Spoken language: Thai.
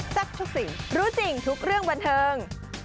ทุกสิ่งรู้จริงทุกเรื่องบันเทิง